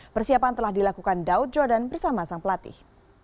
persiapan telah dilakukan daud jordan bersama sang pelatih